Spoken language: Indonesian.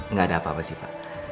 nggak ada apa apa sih pak